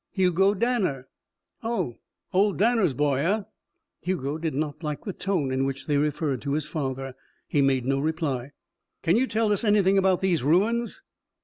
"Hugo Danner." "Oh old Danner's boy, eh?" Hugo did not like the tone in which they referred to his father. He made no reply. "Can you tell us anything about these ruins?"